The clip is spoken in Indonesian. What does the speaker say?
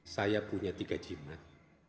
tidak ada cimat